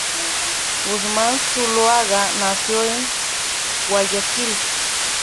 Guzmán Zuloaga nació en Guayaquil.